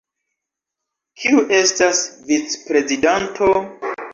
Kiu estas vicprezidanto?